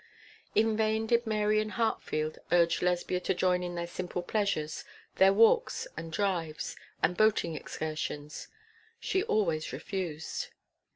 In vain did Mary and Hartfield urge Lesbia to join in their simple pleasures, their walks and rides and drives, and boating excursions. She always refused.